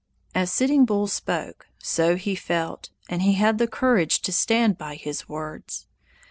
'" As Sitting Bull spoke, so he felt, and he had the courage to stand by his words.